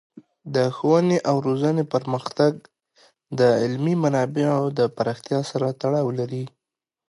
د ښوونې او روزنې پرمختګ د علمي منابعو د پراختیا سره تړاو لري.